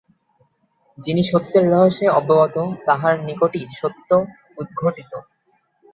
যিনি সত্যের রহস্য অবগত, তাঁহার নিকটই সত্য উদ্ঘাটিত হয়।